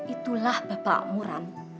itulah bapakmu ran